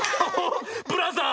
ブラザー！